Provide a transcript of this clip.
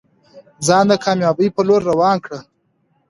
ځان د کامیابۍ په لور روان کړه.